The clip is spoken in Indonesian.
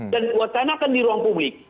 dan uacanakan di ruang publik